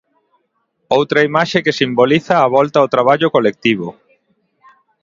Outra imaxe que simboliza a volta ao traballo colectivo.